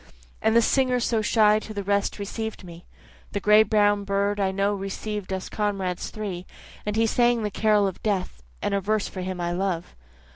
And the singer so shy to the rest receiv'd me, The gray brown bird I know receiv'd us comrades three, And he sang the carol of death, and a verse for him I love.